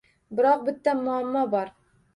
Biroq bitta muammo bor